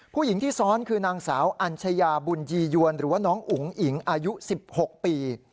ผู้หญิงที่ซ้อนคือนางสาวอัญชยาบุญยียวนหรือว่าน้องอุ๋งอิ๋งอายุ๑๖ปี